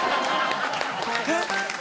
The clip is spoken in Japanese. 「えっ？」。